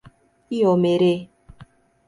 Iomerê